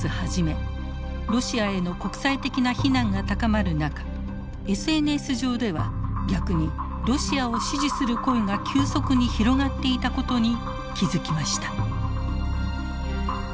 ロシアへの国際的な非難が高まる中ＳＮＳ上では逆にロシアを支持する声が急速に広がっていたことに気付きました。